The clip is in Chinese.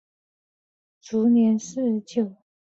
卒年四十九。